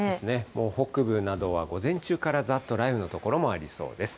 もう北部などは午前中からざーっと雷雨の所もありそうです。